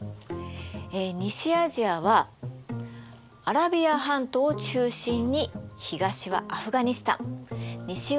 西アジアはアラビア半島を中心に東はアフガニスタン西はトルコ。